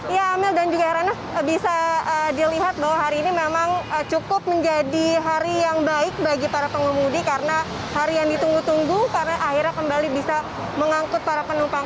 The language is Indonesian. ya amel dan juga heranov bisa dilihat bahwa hari ini memang cukup menjadi hari yang baik bagi para pengemudi karena hari yang ditunggu tunggu karena akhirnya kembali bisa mengangkut para penumpang